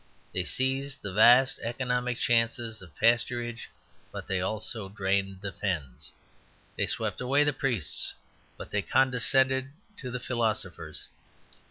They seized the vast economic chances of pasturage; but they also drained the fens. They swept away the priests, but they condescended to the philosophers.